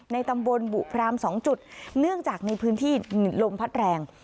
ตำบลบุพราม๒จุดเนื่องจากในพื้นที่ลมพัดแรง